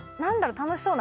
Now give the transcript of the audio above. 楽しそうな。